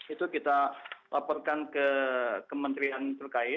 itu kita laporkan ke kementerian terkait